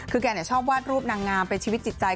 คือแกชอบวาดรูปนางงามเป็นชีวิตจิตใจ